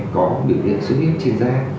có biểu hiện sốt huyết trên da